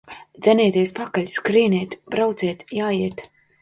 Dzenieties pakaļ! Skrieniet, brauciet, jājiet!